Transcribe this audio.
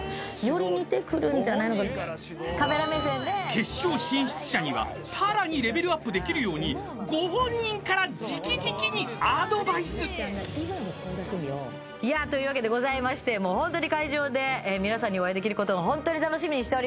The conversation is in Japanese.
［決勝進出者にはさらにレベルアップできるように］というわけでございまして会場で皆さんにお会いできることをホントに楽しみにしております。